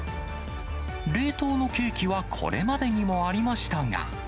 冷凍のケーキはこれまでにもありましたが。